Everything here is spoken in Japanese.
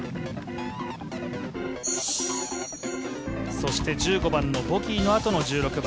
そして１５番のボギーのあとの１６番。